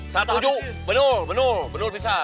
satu yuk benul benul benul pisar